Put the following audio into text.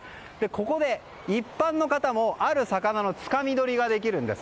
ここで一般の方もある魚のつかみ取りができます。